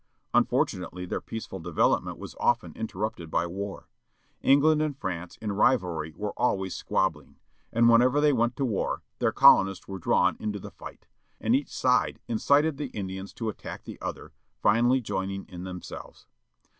Unfortunately their peaceful development was often interrupted by war. Eng land and France in rivalry were always squabbling, and whenever they went to war their colonists were drawn into the fight, and each side incited the Indians to attack the other, finally joining in themselves.